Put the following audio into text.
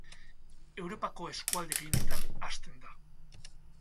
Europako eskualde gehienetan hazten da.